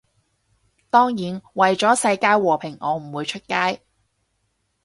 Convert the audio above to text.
當然，為咗世界和平我唔會出街